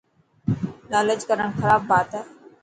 لالچ ڪرڻ خراب بات هي.